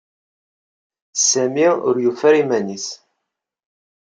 Sami ur yufi ara iman-nnes.